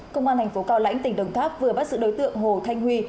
công an thành phố cao lãnh tỉnh đồng tháp vừa bắt giữ đối tượng hồ thanh huy